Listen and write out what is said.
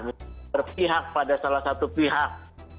yang berpihak pada salah satu pihak